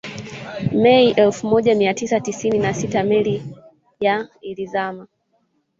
Mei elfu moja mia tisa tisini na sita meli ya ilizama